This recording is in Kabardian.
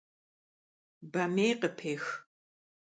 Bamêy khıpêx.